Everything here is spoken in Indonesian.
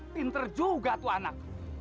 pinter juga tuh anak